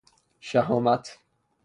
شﮩامت